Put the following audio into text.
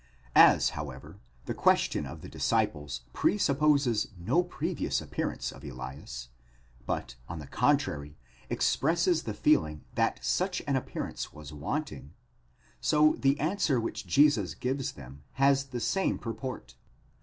543 As, however, the question of the disciples presupposes no previous appearance of Elias, but, on the contrary, expresses the feeling that such an appearance was wanting, so the answer which Jesus gives them has the same purport.